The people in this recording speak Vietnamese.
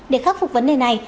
để khắc phục vấn đề này